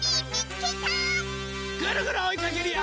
ぐるぐるおいかけるよ！